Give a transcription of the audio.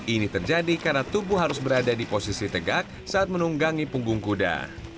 ini terjadi karena tubuh harus berada di posisi tegak saat menunggangi punggung kuda